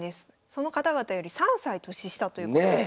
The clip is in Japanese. その方々より３歳年下ということで。